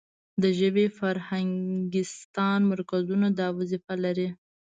د ژبې فرهنګستان مرکزونه دا وظیفه لري.